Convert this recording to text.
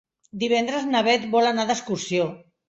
Divendres na Bet vol anar d'excursió.